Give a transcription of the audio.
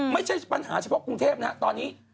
ไม่ใช่ปัญหาเฉพาะกรุงเทพนะตอนนี้